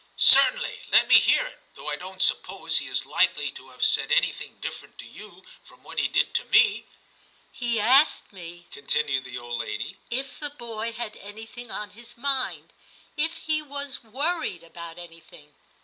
* Certainly ; let me hear it, though I don't suppose he is likely to have said anything different to you from what he did to me/ * He asked me,' continued the old lady, * if the boy had anything on his mind, if he was worried about anything.'